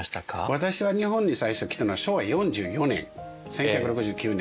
私は日本に最初来たのは昭和４４年１９６９年。